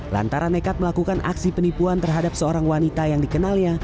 lantaran nekat melakukan aksi penipuan terhadap seorang wanita yang dikenalnya